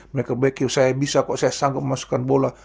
mereka berpikir saya bisa kok saya sanggup memasukkan bola